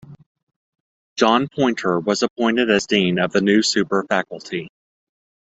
John Poynter was appointed as Dean of the new super faculty.